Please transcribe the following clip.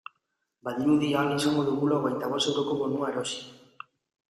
Badirudi ahal izango dugula hogeita bost euroko bonua erosi.